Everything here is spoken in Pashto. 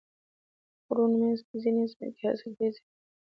د غرونو منځ کې ځینې ځمکې حاصلخیزې وي.